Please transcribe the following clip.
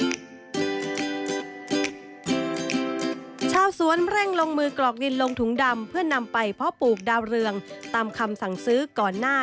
มาเป็นให้ข้าวสวนแรงลงมือกรอกดินลงถุงดำเพื่อนำไปพ่อปลูกดาวเรืองที่ตามคำสั่งซื้อก่อนหน้า